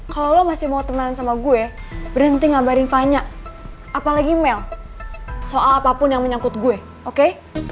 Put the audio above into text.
kalau lo masih mau temenan sama gue berhenti ngabarin tanya apalagi mel soal apapun yang menyangkut gue oke